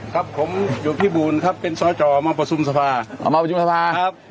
ครับผมอยู่พี่บูรณ์ครับเป็นสจมาประชุมสภามาประชุมสภาครับ